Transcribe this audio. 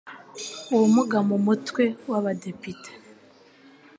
ubumuga mu Mutwe w Abadepite